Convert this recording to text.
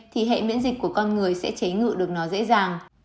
thì hệ miễn dịch của con người sẽ chế ngự được nó dễ dàng